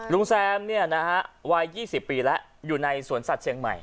ลุงแซมเนี่ยนะฮะวายยี่สิบปีแล้วอยู่ในสวนสัตว์เชียงใหม่